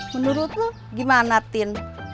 menurut lo gimana tin